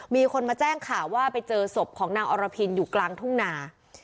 มีคนมาแจ้งข่าวว่าไปเจอศพของนางอรพินอยู่กลางทุ่งนา